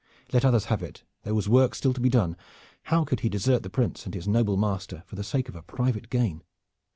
Let others have it! There was work still to be done. How could he desert the Prince and his noble master for the sake of a private gain?